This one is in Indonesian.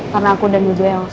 karena aku dan juga elsa itu sama